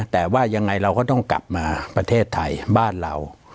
แต่ว่ายังไงเราก็ต้องกลับมาประเทศไทยบ้านเรา